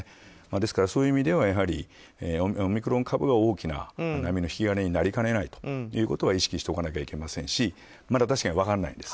ですから、そういう意味ではオミクロン株が大きな波の引き金になりかねないことは意識しておかなきゃいけませんしまだ確かに分らないんです。